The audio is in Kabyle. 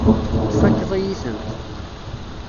Tfakkeḍ-iyi-tent.